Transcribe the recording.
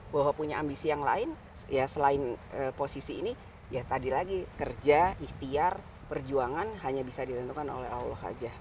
bahwa punya ambisi yang lain ya selain posisi ini ya tadi lagi kerja ikhtiar perjuangan hanya bisa ditentukan oleh allah saja